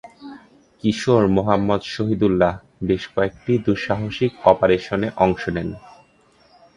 কিশোর মোহাম্মদ শহীদুল্লাহ বেশ কয়েকটি দুঃসাহসিক অপারেশনে অংশ নেন।